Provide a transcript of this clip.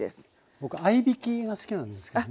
僕合いびきが好きなんですけどもね。